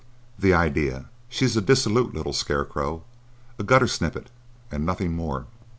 "The idea! She's a dissolute little scarecrow,—a gutter snippet and nothing more."